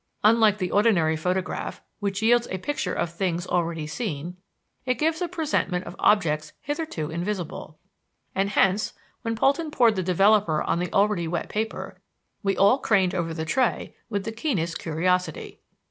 Unlike the ordinary photograph, which yields a picture of things already seen, it gives a presentment of objects hitherto invisible; and hence, when Polton poured the developer on the already wet paper, we all craned over the tray with the keenest curiosity.